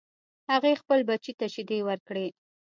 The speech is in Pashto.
هغې خپل بچی ته شیدې ورکړې